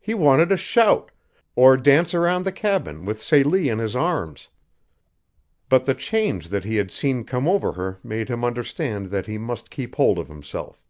He wanted to shout, or dance around the cabin with Celie in his arms. But the change that he had seen come over her made him understand that he must keep hold of himself.